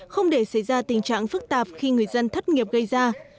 không để xảy ra tình trạng phức tạp khi người dân thất nghiệp gây ra